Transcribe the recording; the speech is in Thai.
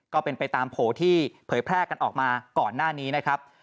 ก็เป็นไปตามโผล่ที่เผยแพร่กันออกมาก่อนหน้านี้นะครับ